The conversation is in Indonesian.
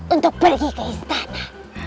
untuk pergi ke istana